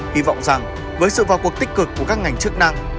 hy vọng rằng với sự vào cuộc tích cực của các ngành chức năng